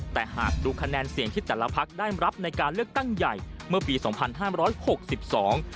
แต่หากดูคะแนนเสียงที่แต่ละพักได้รับในการเลือกตั้งใหญ่เมื่อปีสองพันห้ามร้อยหกสิบสอง